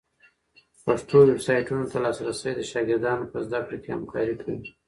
پښتو ویبسایټونو ته لاسرسی د شاګردانو په زده کړه کي همکاری کوي.